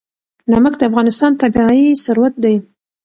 نمک د افغانستان طبعي ثروت دی.